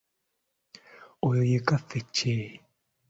Oyo ye kaffecce.